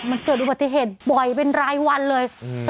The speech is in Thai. มันเกิดอุบัติเหตุบ่อยเป็นรายวันเลยอืม